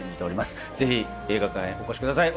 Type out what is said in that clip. ぜひ映画館へお越しください。